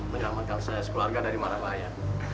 menyelamatkan saya sekeluarga dari marapaya